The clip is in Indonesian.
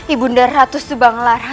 ibu nda ratu subang lara